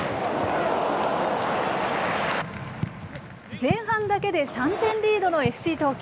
前半だけで３点リードのＦＣ東京。